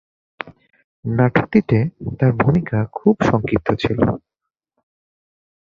নাটকটিতে তার ভূমিকা খুব সংক্ষিপ্ত ছিল।